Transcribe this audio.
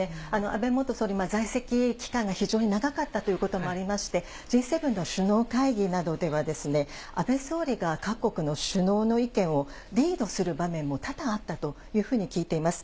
安倍元総理、在籍期間が非常に長かったということもありまして、Ｇ７の首脳会議などでは、安倍総理が各国の首脳の意見をリードする場面も多々あったというふうに聞いています。